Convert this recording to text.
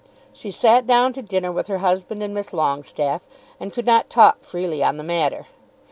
She sat down to dinner with her husband and Miss Longestaffe, and could not talk freely on the matter.